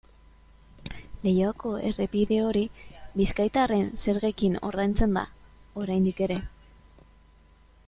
Leioako errepide hori bizkaitarren zergekin ordaintzen da, oraindik ere.